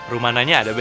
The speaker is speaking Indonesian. rumah nanya ada be